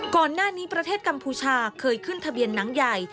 ก่อนหน้านี้ประเทศกัมพูชาเคยขึ้นทะเบียนหนังใหญ่